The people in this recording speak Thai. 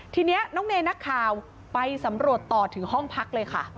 ทีนี้น้องเนยนักข่าวไปสำรวจต่อถึงห้องพักเลยค่ะ